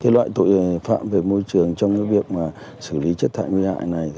loại tội phạm về môi trường trong việc xử lý chất thải nguy hại này